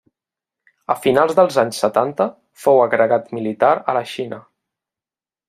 A finals dels anys setanta fou agregat militar a la Xina.